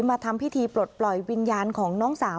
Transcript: มาทำพิธีปลดปล่อยวิญญาณของน้องสาว